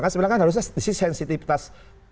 sebenarnya harusnya sisi sensitifitas